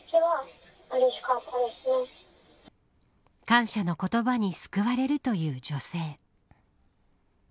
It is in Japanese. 感謝の言葉に救われるという女性。